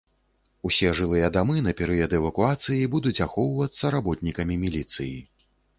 Усе жылыя дамы на перыяд эвакуацыі будуць ахоўвацца работнікамі міліцыі.